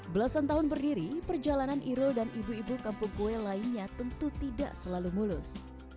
belasan tahun berdiri perjalanan irul dan ibu ibu kampung kue lainnya tentu tidak selalu mulus